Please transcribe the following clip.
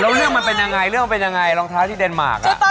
แล้วเรื่องมันเป็นยังไงเรื่องมันเป็นยังไงรองเท้าที่เดนมาร์ค